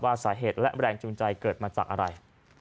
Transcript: สาเหตุและแรงจูงใจเกิดมาจากอะไร